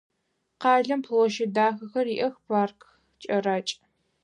Къалэм площадь дахэхэр иӏэх, ипарк кӏэракӏ.